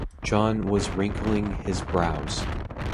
Jon was wrinkling his brows.